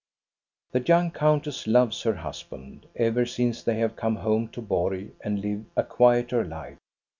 The young countess loves her husband, ever since they have come home to Borg and live a quieter life.